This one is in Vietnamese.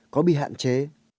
có bị hạn chế